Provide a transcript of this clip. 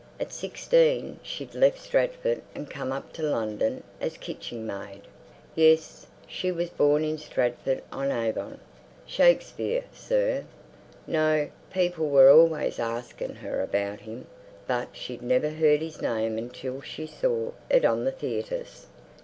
At sixteen she'd left Stratford and come up to London as kitching maid. Yes, she was born in Stratford on Avon. Shakespeare, sir? No, people were always arsking her about him. But she'd never heard his name until she saw it on the theatres.